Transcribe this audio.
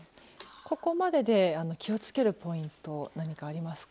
ここまでで気をつけるポイント何かありますか？